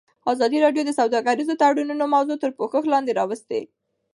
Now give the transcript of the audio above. ازادي راډیو د سوداګریز تړونونه موضوع تر پوښښ لاندې راوستې.